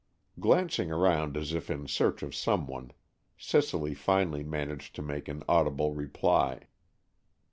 Glancing around as if in search of some one, Cicely finally managed to make an audible reply.